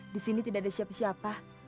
di sini tidak ada siapa siapa